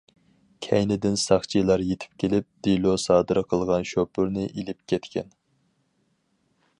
كەينىدىن ساقچىلا يېتىپ كېلىپ دېلو سادىر قىلغان شوپۇرنى ئېلىپ كەتكەن.